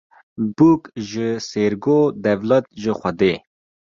Bûk ji sêrgo dewlet ji Xwedê